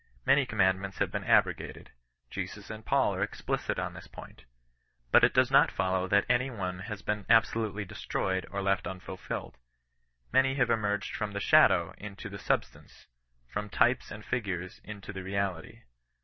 Many commandments have been abrogated : Jesus and Paul are explicit on this point. But it does not foUow that any one has been absolutely destroyed or left nnfvlfUed, Many have emerged from the shadow into the substance, from types Kndfyures into the reality.